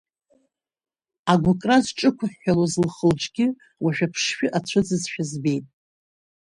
Агәыкра зҿықәҳәҳәылоз лхы-лҿгьы, уажәы аԥшшәы ацәыӡызшәа збеит.